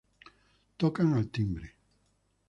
Tocan al timbre.